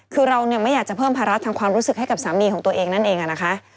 คือเราเนี่ยไม่อยากจะเพิ่มภาระทางความรู้สึกให้กับสามีของตัวเองนั่นเองนะคะ